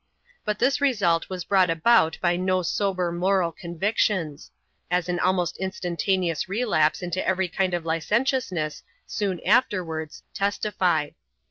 But this result was brought about by no sober moral convictions ; as an almost instantaneous relapse into every kind of licentiousness soon afterwards testified.